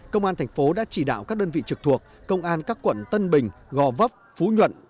công an thành phố đã chỉ đạo các đơn vị trực thuộc công an các quận tân bình gò vấp phú nhuận